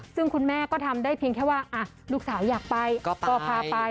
ซึ่งคุณแม่ก็ทำได้เพียงแค่ว่าลูกสาวอยากไปก็พาไป